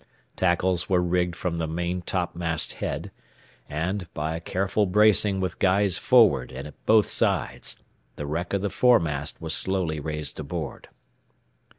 Tackles were rigged from the main topmast head, and, by a careful bracing with guys forward and at both sides, the wreck of the foremast was slowly raised aboard.